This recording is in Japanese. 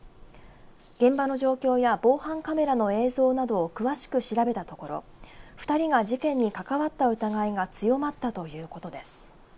現場の状況や防犯カメラの映像などを詳しく調べたところ２人が事件に関わった疑いが強まったということです。